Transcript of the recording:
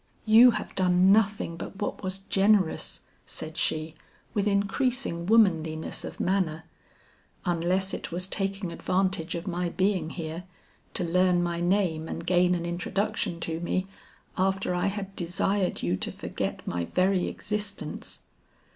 "You have done nothing but what was generous," said she with increasing womanliness of manner, "unless it was taking advantage of my being here, to learn my name and gain an introduction to me after I had desired you to forget my very existence."